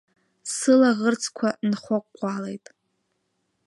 Сылаӷырӡқәа нхаҟәҟәалеит.